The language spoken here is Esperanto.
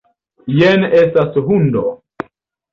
Jen estas hundo.